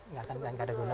nggak ada gunanya